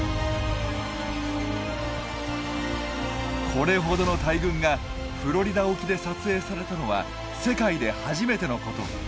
これほどの大群がフロリダ沖で撮影されたのは世界で初めてのこと！